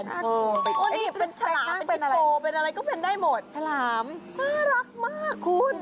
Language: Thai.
น่ากลัวเป็นชาลเป็นพิโปร์เป็นอะไรก็เป็นได้หมดชาลน่ารักมากคุณ